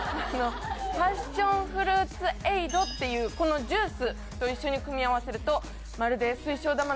パッションフルーツエイドっていうこのジュースと一緒に組み合わせると。